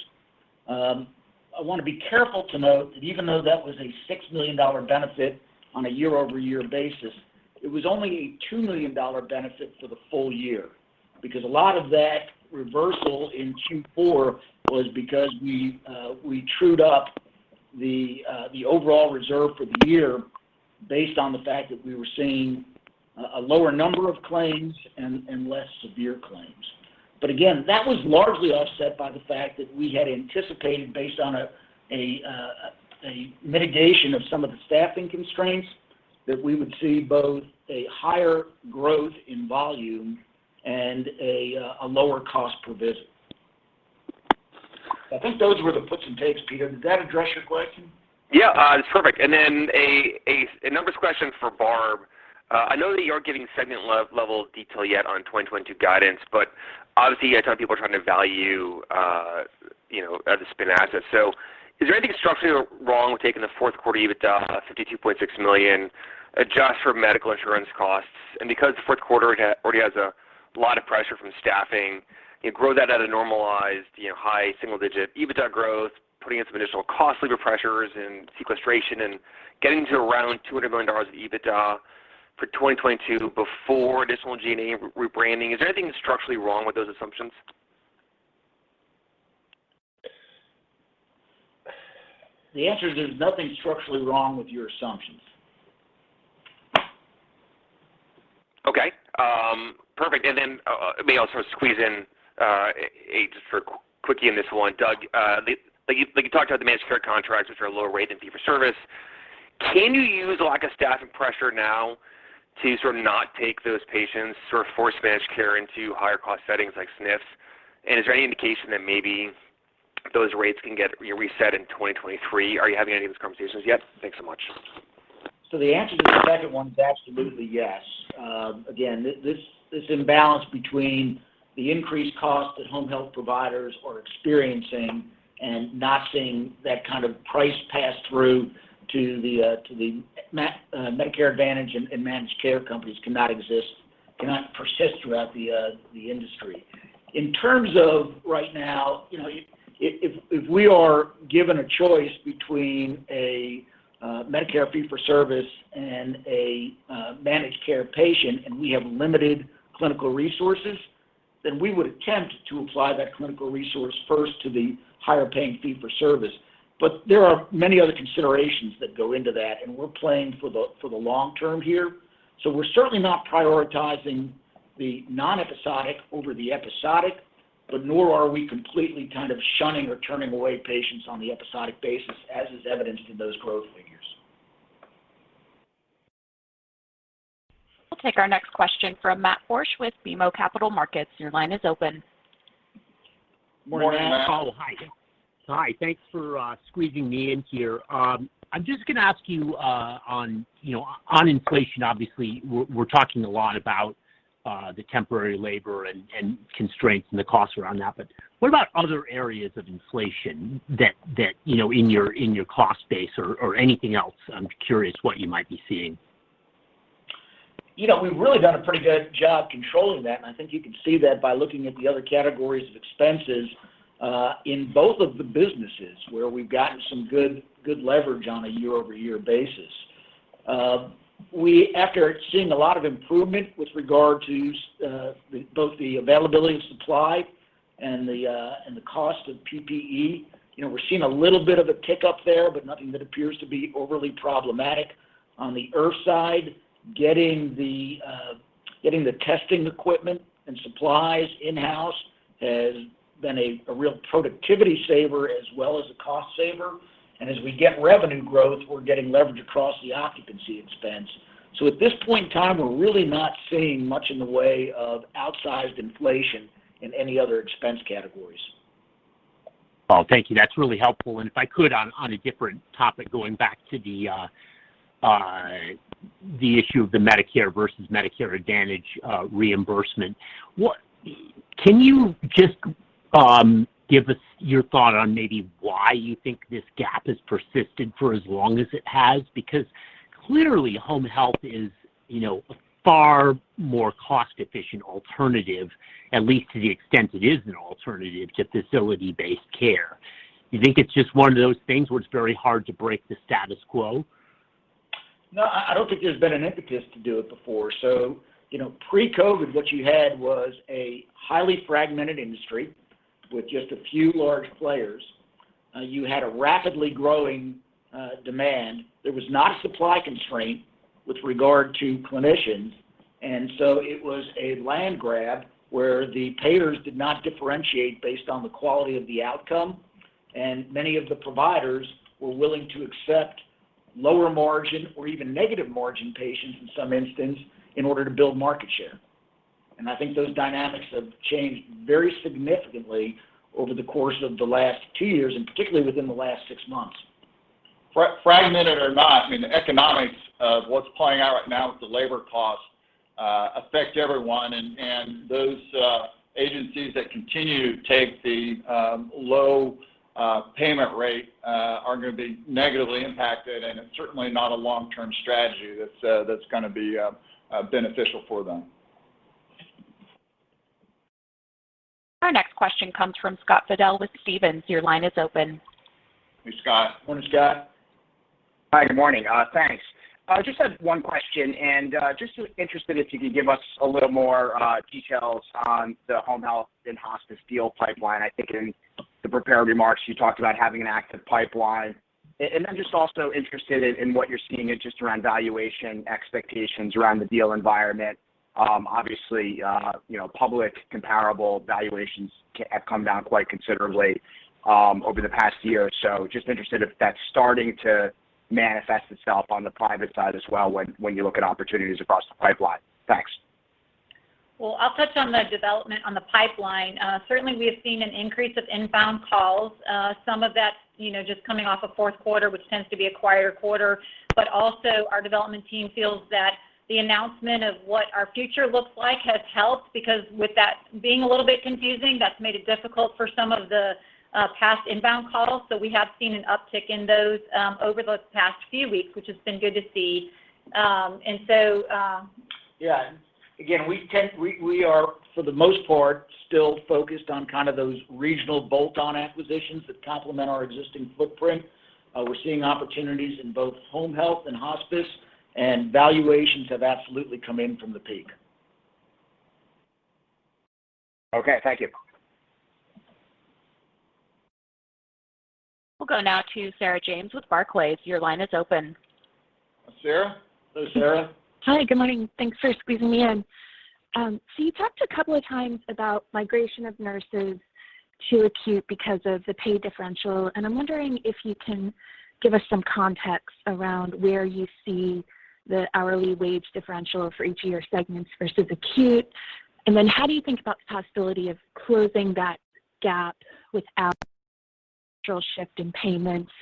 Speaker 4: I wanna be careful to note that even though that was a $6 million benefit on a year-over-year basis, it was only a $2 million benefit for the full year because a lot of that reversal in Q4 was because we trued up the overall reserve for the year based on the fact that we were seeing a lower number of claims and less severe claims. Again, that was largely offset by the fact that we had anticipated based on a mitigation of some of the staffing constraints that we would see both a higher growth in volume and a lower cost per visit. I think those were the puts and takes, Pito Chickering. Does that address your question?
Speaker 11: Yeah. It's perfect. A numbers question for Barb. I know that you aren't giving segment level detail yet on 2022 guidance, but obviously, I tell people trying to value, you know, as a spin asset. Is there anything structurally wrong with taking the Q4 EBITDA, $52.6 million, adjust for medical insurance costs? Because Q4 already has a lot of pressure from staffing, you grow that at a normalized, you know, high single digit EBITDA growth, putting in some additional cost labor pressures and sequestration and getting to around $200 million of EBITDA for 2022 before additional G&A rebranding. Is there anything structurally wrong with those assumptions?
Speaker 4: The answer is there's nothing structurally wrong with your assumptions.
Speaker 11: Okay. Perfect. Maybe I'll sort of squeeze in just a quickie in this one. Doug, like you talked about the managed care contracts, which are a lower rate than fee for service. Can you use lack of staffing pressure now to sort of not take those patients, sort of force managed care into higher cost settings like SNFs? Is there any indication that maybe those rates can get, you know, reset in 2023? Are you having any of these conversations yet? Thanks so much.
Speaker 4: The answer to the second one is absolutely yes. Again, this imbalance between the increased cost that home health providers are experiencing and not seeing that kind of price pass through to the Medicare Advantage and managed care companies cannot exist, cannot persist throughout the industry. In terms of right now, you know, if we are given a choice between a Medicare fee for service and a managed care patient and we have limited clinical resources, then we would attempt to apply that clinical resource first to the higher paying fee for service. There are many other considerations that go into that, and we're playing for the long term here. We're certainly not prioritizing the non-episodic over the episodic, but nor are we completely kind of shunning or turning away patients on the episodic basis, as is evidenced in those growth figures.
Speaker 1: We'll take our next question from Matt Borsch with BMO Capital Markets. Your line is open.
Speaker 4: Morning, Matt.
Speaker 12: Morning. Oh, hi. Hi, thanks for squeezing me in here. I'm just gonna ask you on, you know, on inflation, obviously, we're talking a lot about the temporary labor and constraints and the costs around that. What about other areas of inflation that, you know, in your cost base or anything else? I'm curious what you might be seeing.
Speaker 4: You know, we've really done a pretty good job controlling that, and I think you can see that by looking at the other categories of expenses in both of the businesses where we've gotten some good leverage on a year-over-year basis. After seeing a lot of improvement with regard to both the availability and supply and the cost of PPE, you know, we're seeing a little bit of a tick up there, but nothing that appears to be overly problematic. On the IRF side, getting the testing equipment and supplies in-house has been a real productivity saver as well as a cost saver. As we get revenue growth, we're getting leverage across the occupancy expense. At this point in time, we're really not seeing much in the way of outsized inflation in any other expense categories.
Speaker 12: Paul, thank you. That's really helpful. If I could on a different topic, going back to the issue of the Medicare versus Medicare Advantage reimbursement, what can you just give us your thought on maybe why you think this gap has persisted for as long as it has? Because clearly, home health is a far more cost-efficient alternative, at least to the extent it is an alternative to facility-based care. You think it's just one of those things where it's very hard to break the status quo?
Speaker 4: No, I don't think there's been an impetus to do it before. You know, pre-COVID, what you had was a highly fragmented industry with just a few large players. You had a rapidly growing demand. There was not a supply constraint with regard to clinicians. It was a land grab where the payers did not differentiate based on the quality of the outcome, and many of the providers were willing to accept lower margin or even negative margin patients in some instance in order to build market share. I think those dynamics have changed very significantly over the course of the last two years, and particularly within the last six months.
Speaker 3: Fragmented or not, I mean, the economics of what's playing out right now with the labor costs affect everyone and those agencies that continue to take the low payment rate are gonna be negatively impacted, and it's certainly not a long-term strategy that's gonna be beneficial for them.
Speaker 1: Our next question comes from Scott Fidel with Stephens. Your line is open.
Speaker 3: Hey, Scott.
Speaker 4: Morning, Scott.
Speaker 13: Hi, good morning. Thanks. I just had one question, and just interested if you could give us a little more details on the home health and hospice deal pipeline. I think in the prepared remarks, you talked about having an active pipeline. And I'm just also interested in what you're seeing just around valuation expectations around the deal environment. Obviously, you know, public comparable valuations have come down quite considerably over the past year. Just interested if that's starting to manifest itself on the private side as well when you look at opportunities across the pipeline. Thanks.
Speaker 7: Well, I'll touch on the development on the pipeline. Certainly, we have seen an increase of inbound calls. Some of that's, you know, just coming off a Q4, which tends to be a quieter quarter. Our development team feels that the announcement of what our future looks like has helped because with that being a little bit confusing, that's made it difficult for some of the past inbound calls. We have seen an uptick in those over the past few weeks, which has been good to see.
Speaker 4: Yeah. Again, we are, for the most part, still focused on kind of those regional bolt-on acquisitions that complement our existing footprint. We're seeing opportunities in both home health and hospice, and valuations have absolutely come in from the peak.
Speaker 13: Okay, thank you.
Speaker 1: We'll go now to Sarah James with Barclays. Your line is open.
Speaker 3: Sarah? Hello, Sarah.
Speaker 14: Hi, good morning. Thanks for squeezing me in. So you talked a couple of times about migration of nurses to acute because of the pay differential, and I'm wondering if you can give us some context around where you see the hourly wage differential for each of your segments versus acute. How do you think about the possibility of closing that gap without shift in payments?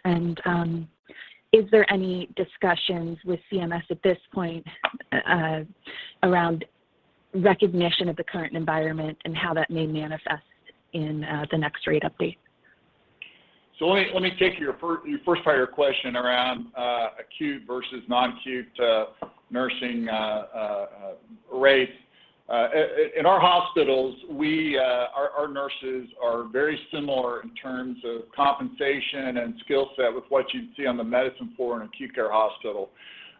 Speaker 14: Is there any discussions with CMS at this point around recognition of the current environment and how that may manifest in the next rate update?
Speaker 3: Let me take your first part of your question around acute versus non-acute nursing rates. In our hospitals, our nurses are very similar in terms of compensation and skill set with what you'd see on the medicine floor in an acute care hospital.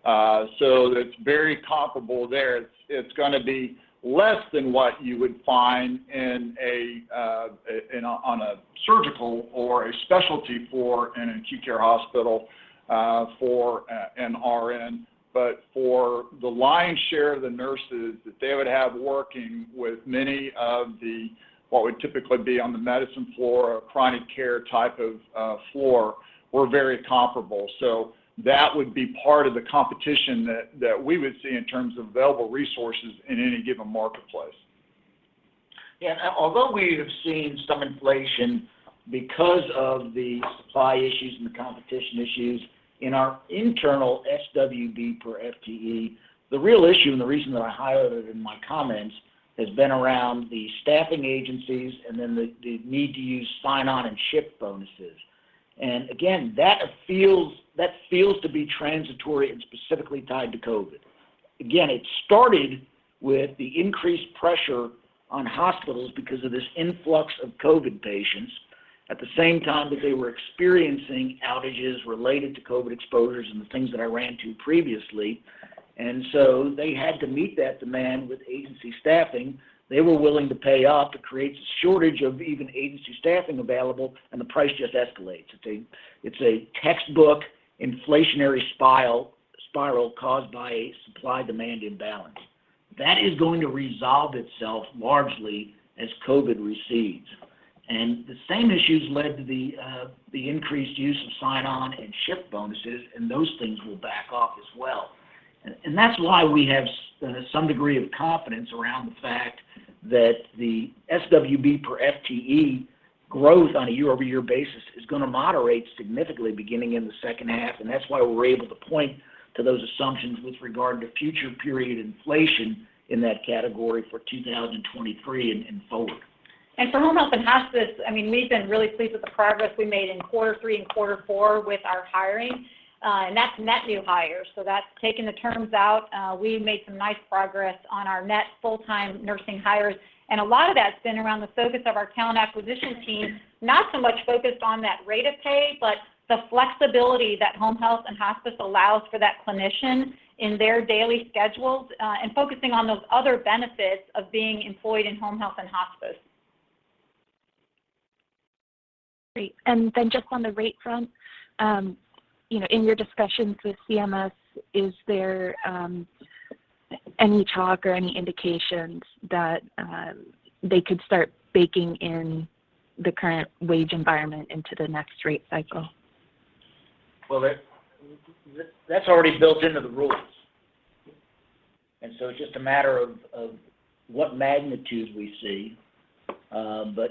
Speaker 3: It's very comparable there. It's gonna be less than what you would find on a surgical or a specialty floor in an acute care hospital for an RN. For the lion's share of the nurses that they would have working with many of the what would typically be on the medicine floor or chronic care type of floor were very comparable. That would be part of the competition that we would see in terms of available resources in any given marketplace.
Speaker 4: Yeah. Although we have seen some inflation because of the supply issues and the competition issues in our internal SWB per FTE, the real issue and the reason that I highlighted in my comments has been around the staffing agencies and then the need to use sign-on and shift bonuses. Again, that feels to be transitory and specifically tied to COVID. Again, it started with the increased pressure on hospitals because of this influx of COVID patients at the same time that they were experiencing outages related to COVID exposures and the things that I ran through previously. So they had to meet that demand with agency staffing. They were willing to pay up. It creates a shortage of even agency staffing available, and the price just escalates. It's a textbook inflationary spiral caused by a supply-demand imbalance. That is going to resolve itself largely as COVID recedes. The same issues led to the increased use of sign-on and shift bonuses, and those things will back off as well. That's why we have some degree of confidence around the fact that the SWB per FTE growth on a year-over-year basis is gonna moderate significantly beginning in the second half, and that's why we're able to point to those assumptions with regard to future period inflation in that category for 2023 and forward.
Speaker 7: For Home Health and Hospice, I mean, we've been really pleased with the progress we made in quarter three and quarter four with our hiring, and that's net new hires, so that's taking the turns out. We made some nice progress on our net full-time nursing hires, and a lot of that's been around the focus of our talent acquisition team, not so much focused on that rate of pay, but the flexibility that Home Health and Hospice allows for that clinician in their daily schedules, and focusing on those other benefits of being employed in Home Health and Hospice.
Speaker 14: Great. Just on the rate front, you know, in your discussions with CMS, is there any talk or any indications that they could start baking in the current wage environment into the next rate cycle?
Speaker 4: Well, that's already built into the rules. It's just a matter of what magnitude we see.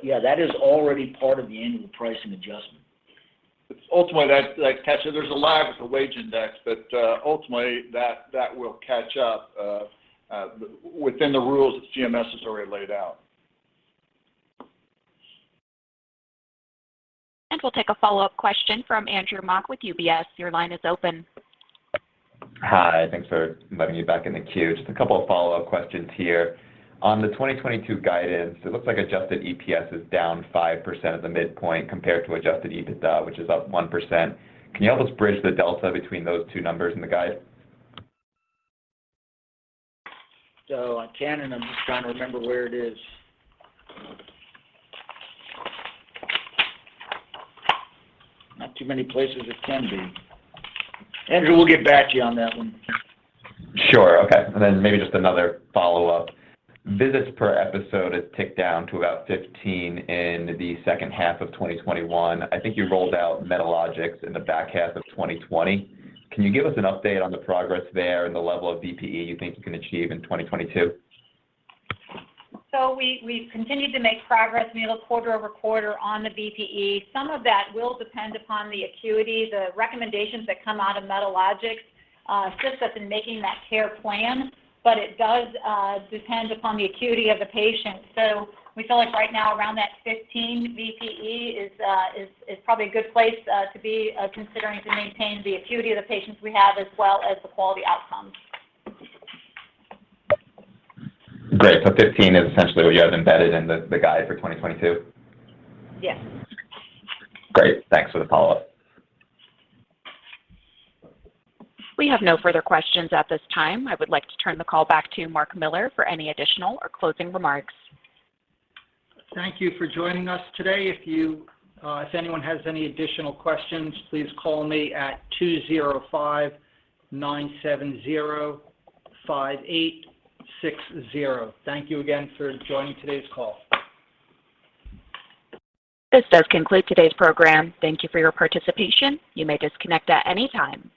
Speaker 4: Yeah, that is already part of the annual pricing adjustment.
Speaker 15: Ultimately, that, there's a lag with the wage index, but ultimately, that will catch up within the rules that CMS has already laid out.
Speaker 1: We'll take a follow-up question from Andrew Mok with UBS. Your line is open.
Speaker 10: Hi. Thanks for letting me back in the queue. Just a couple of follow-up questions here. On the 2022 guidance, it looks like adjusted EPS is down 5% at the midpoint compared to Adjusted EBITDA, which is up 1%. Can you help us bridge the delta between those two numbers in the guide?
Speaker 4: I can, and I'm just trying to remember where it is. Not too many places it can be. Andrew, we'll get back to you on that one.
Speaker 10: Sure. Okay. Maybe just another follow-up. Visits per episode has ticked down to about 15 in the second half of 2021. I think you rolled out Medalogix in the back half of 2020. Can you give us an update on the progress there and the level of VPE you think you can achieve in 2022?
Speaker 7: We've continued to make progress, Neal, quarter-over-quarter on the VPE. Some of that will depend upon the acuity. The recommendations that come out of Medalogix assist us in making that care plan, but it does depend upon the acuity of the patient. We feel like right now around that 15 VPE is probably a good place to be considering to maintain the acuity of the patients we have as well as the quality outcomes.
Speaker 10: Great. Fifteen is essentially what you have embedded in the guide for 2022?
Speaker 7: Yes.
Speaker 10: Great. Thanks for the follow-up.
Speaker 1: We have no further questions at this time. I would like to turn the call back to Mark Miller for any additional or closing remarks.
Speaker 2: Thank you for joining us today. If anyone has any additional questions, please call me at 205-970-5860. Thank you again for joining today's call.
Speaker 1: This does conclude today's program. Thank you for your participation. You may disconnect at any time.